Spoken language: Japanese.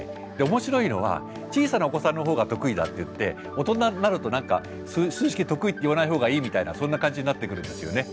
面白いのは小さなお子さんの方が得意だっていって大人になると何か数式得意っていわない方がいいみたいなそんな感じになってくるんですよね。